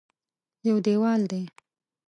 یو دېوال دی.